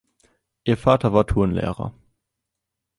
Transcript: Ihr Vater war Turnlehrer.